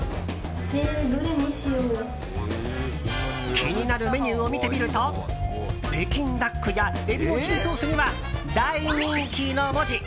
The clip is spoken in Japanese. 気になるメニューを見てみると北京ダックやエビのチリソースには大人気の文字。